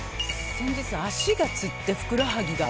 先日、足がつってふくらはぎが。